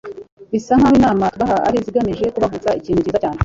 bisa nk'aho inama tubaha ari izigamije kubavutsa ikintu cyiza cyane